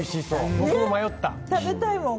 僕も迷った。